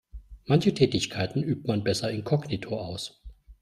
Manche Tätigkeiten übt man besser inkognito aus.